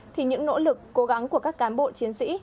thì những nỗ lực cố gắng của các cán bộ chiến sĩ